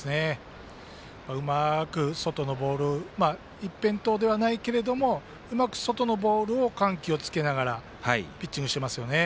うまく外のボール一辺倒ではないけれどもうまく外のボールを緩急をつけながらピッチングしてますよね。